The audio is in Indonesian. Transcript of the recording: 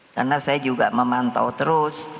karena saya juga memantau terus